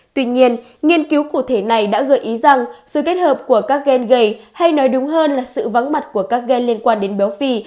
tuy nhiên nghiên cứu cụ thể này đã gợi ý rằng sự kết hợp của các gengay hay nói đúng hơn là sự vắng mặt của các gen liên quan đến béo phì